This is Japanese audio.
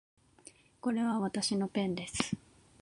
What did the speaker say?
これはわたしのペンです